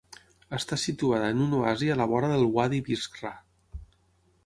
Està situada en un oasi a la vora del uadi Biskra.